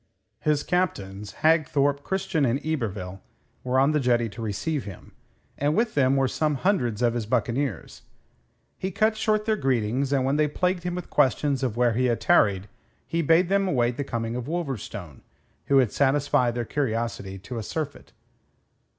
His captains, Hagthorpe, Christian, and Yberville, were on the jetty to receive him, and with them were some hundreds of his buccaneers. He cut short their greetings, and when they plagued him with questions of where he had tarried, he bade them await the coming of Wolverstone, who would satisfy their curiosity to a surfeit.